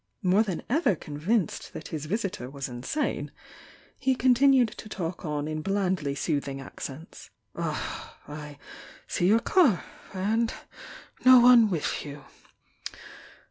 More than ever convinced that his visitor was insane, he con tinued to talk on in blandly soothins; accents; "Ah, I see your car? And no one with you?